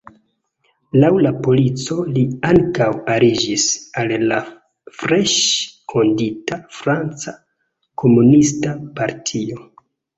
Laŭ la polico, li ankaŭ aliĝis al la freŝe fondita Franca Komunista Partio.